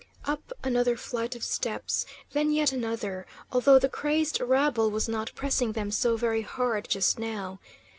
Up another flight of steps, then yet another, although the crazed rabble was not pressing them so very hard, just now.